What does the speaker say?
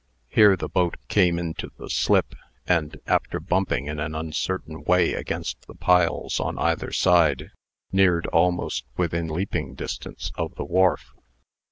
Here the boat came into the slip, and, after bumping in an uncertain way against the piles on either side, neared almost within leaping distance of the wharf.